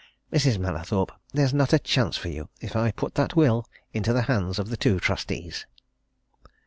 Mrs. Mallathorpe, there's not a chance for you if I put that will into the hands of the two trustees!"